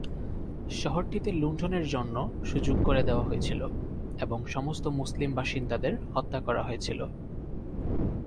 শহরটিতে লুণ্ঠনের জন্য সুযোগ করে দেওয়া হয়েছিল এবং সমস্ত মুসলিম বাসিন্দাদের হত্যা করা হয়েছিল।